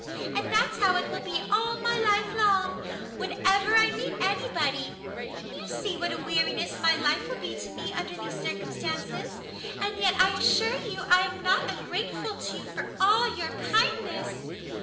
And that's how it will be all my life long, whenever I meet anybody. You see what a weariness my life will be to me under these circumstances, and yet I assure you I am not ungrateful to you for all your kindness!"